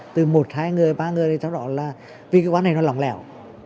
từ một hai ba người để cho rõ là vì quan hệ này nó lỏng lẻo